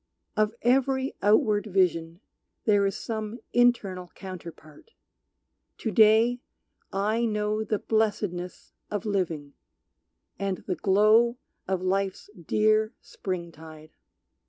Of every outward vision there is some Internal counterpart. To day I know The blessedness of living, and the glow Of life's dear spring tide.